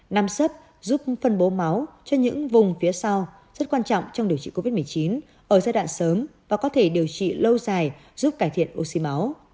năng suất giúp phân bố máu cho những vùng phía sau rất quan trọng trong điều trị covid một mươi chín ở giai đoạn sớm và có thể điều trị lâu dài giúp cải thiện oxy máu